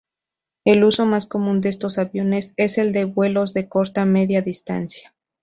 El uso más común de estos aviones es el de vuelos de corta-media distancia.